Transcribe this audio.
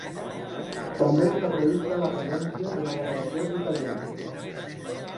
També està prevista la presència d’una delegació italiana.